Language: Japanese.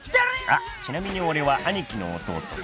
［あっちなみに俺はアニキの弟松！］